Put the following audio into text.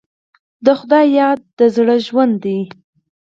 د خدای یاد د زړه ژوند دی.